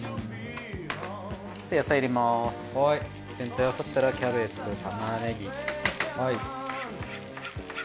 全体合わさったらキャベツ玉ねぎ。